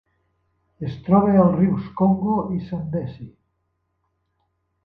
Es troba als rius Congo i Zambezi.